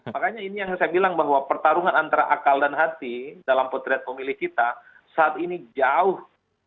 makanya ini yang saya bilang bahwa pertarungan antara akal dan hati dalam potret pemilih kita saat ini jauh